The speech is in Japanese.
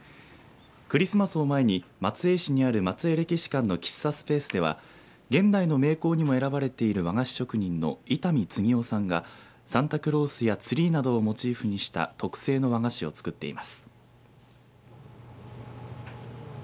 クリスマスを前に松江市にある松江歴史館の喫茶スペースでは現代の名工にも選ばれている和菓子職人の伊丹二夫さんがサンタクロースやツリーなどをモチーフにした特製の和菓子を作っています。